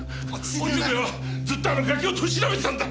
ゆうべはずっとあのガキを取り調べてたんだ！